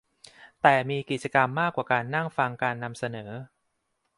แต่มีกิจกรรมมากกว่าการนั่งฟังการนำเสนอ